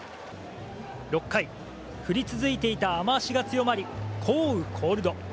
６回、降り続いていた雨脚が強まり降雨コールド。